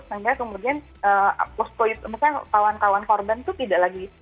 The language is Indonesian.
sehingga kemudian bospo misalnya kawan kawan korban itu tidak lagi